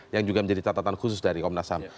yang juga menjadi catatan khusus dari komnas ham